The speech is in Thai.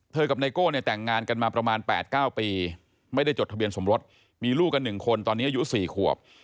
กับไนโก้เนี่ยแต่งงานกันมาประมาณ๘๙ปีไม่ได้จดทะเบียนสมรสมีลูกกัน๑คนตอนนี้อายุ๔ขวบ